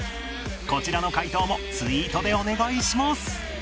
こちらの解答もツイートでお願いします